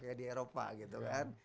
ya di eropa gitu kan